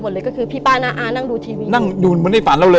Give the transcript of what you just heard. เลยก็คือพี่ป้าน้าอานั่งดูทีวีนั่งดูเหมือนในฝันเราเลย